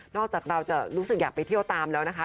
จากเราจะรู้สึกอยากไปเที่ยวตามแล้วนะคะ